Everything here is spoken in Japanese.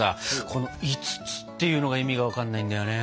この５つっていうのが意味が分かんないんだよね。